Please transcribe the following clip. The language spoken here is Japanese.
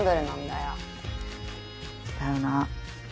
だよなぁ。